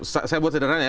saya buat sederhana ya